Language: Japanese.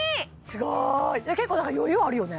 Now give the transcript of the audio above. すごい結構余裕あるよね？